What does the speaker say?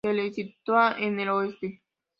Se le sitúa en el oeste.